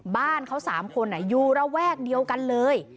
บ้านเขา๓คนอยู่ระแวกเดียวกันเลย